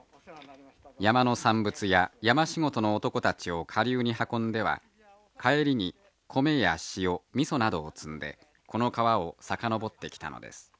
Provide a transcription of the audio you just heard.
山の産物や山仕事の男たちを下流に運んでは帰りに米や塩みそなどを積んでこの川を遡ってきたのです。